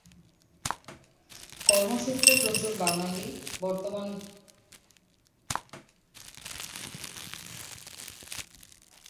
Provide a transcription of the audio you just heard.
কর্মসূত্রে প্রচুর বাঙালী বর্মার বিভিন্ন অঞ্চলে থাকতেন, তাদের মধ্যে কিছু সাম্যবাদী চিন্তাধারার তরুন বর্মা কমিউনিস্ট পার্টির গুরুত্বপূর্ণ স্থান অলংকৃত করেছিলেন।